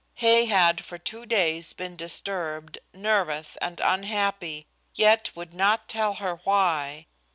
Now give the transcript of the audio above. Hay had for two days been disturbed, nervous and unhappy, yet would not tell her why.